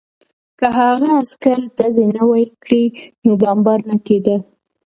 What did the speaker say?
که هغه عسکر ډزې نه وای کړې نو بمبار نه کېده